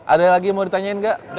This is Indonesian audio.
ada lagi yang mau ditanyain gak